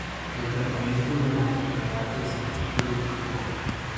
El tratamiento de la enfermedad es quirúrgico